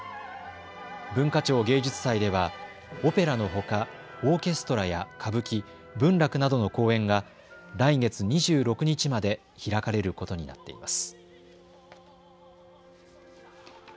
文化庁芸術祭ではオペラのほかオーケストラや歌舞伎、文楽などの公演が来月２６日まで開かれることになっています。